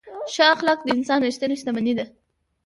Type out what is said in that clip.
ښه اخلاق د انسان ریښتینې شتمني ده.